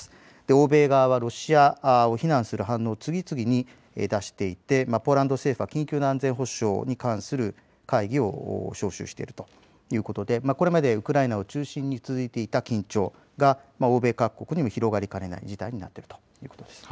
欧米側はロシアを非難する反応を次々に出していてポーランド政府は緊急の安全保障に関する会議を招集しているということで、これまでウクライナを中心に続いていた緊張が欧米各国にも広がりかねない事態になっているということです。